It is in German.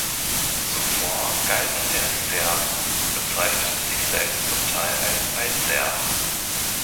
Zuvor galten sie als Serben und bezeichneten sich selbst zum Teil als "Alt-Serben".